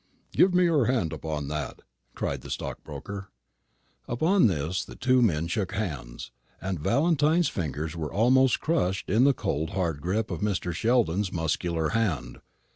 "Give me your hand upon that," cried the stockbroker. Upon this the two men shook hands, and Valentine's fingers were almost crushed in the cold hard grip of Mr. Sheldon's muscular hand.